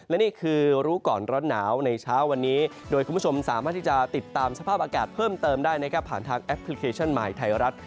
และนี่คือรู้ก่อนร้อนหนาวในเช้าวันนี้โดยคุณผู้ชมสามารถที่จะติดตามสภาพอากาศเพิ่มเติมได้นะครับผ่านทางแอปพลิเคชันใหม่ไทยรัฐ